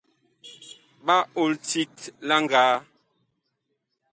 Ɓa ol tit la ngaa.